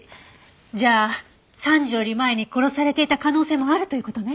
じゃあ３時より前に殺されていた可能性もあるという事ね。